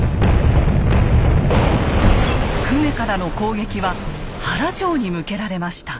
船からの攻撃は原城に向けられました。